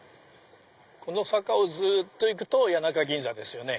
この坂を行くと谷中銀座ですね。